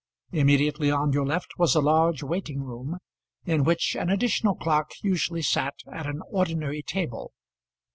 Immediately on your left was a large waiting room, in which an additional clerk usually sat at an ordinary table.